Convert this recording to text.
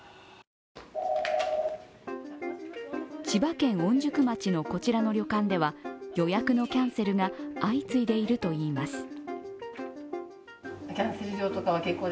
千葉県御宿町のこちらの旅館では、予約のキャンセルが相次いでいるといいます。